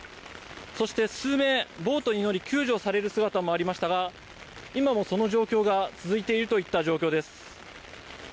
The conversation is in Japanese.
そして、数名、ボートに乗り、救助される姿もありましたが、今もその状況が続いているといった状況です。